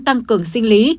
tăng cường sinh lý